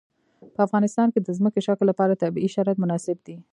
په افغانستان کې د ځمکنی شکل لپاره طبیعي شرایط مناسب دي.